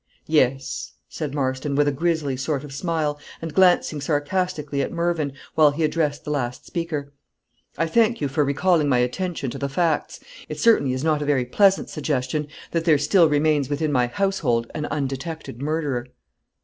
"Yes," said Marston, with a grisly sort of smile, and glancing sarcastically at Mervyn, while he addressed the last speaker "I thank you for recalling my attention to the facts. It certainly is not a very pleasant suggestion, that there still remains within my household an undetected murderer."